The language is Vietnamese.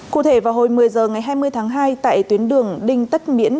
cụ thể vào hồi một mươi h ngày hai mươi tháng hai tại tuyến đường đinh tất miễn